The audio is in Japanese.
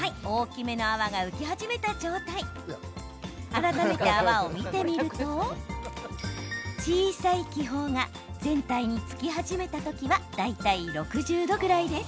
改めて、泡を見てみると小さい気泡が全体につき始めた時は大体６０度ぐらいです。